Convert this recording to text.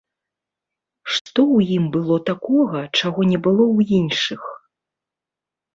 Што ў ім было такога, чаго не было ў іншых?